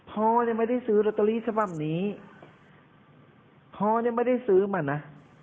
พ่อเนี่ยไม่ได้ซื้อลอตเตอรี่ฉบับนี้พ่อเนี่ยไม่ได้ซื้อมานะ